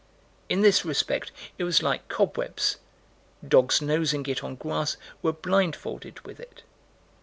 In this respect it was like cobwebs: dogs nosing it on grass, were blindfolded with it.